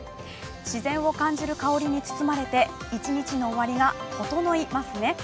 自然を感じる香りに包まれて１日の終わりがととのいますね。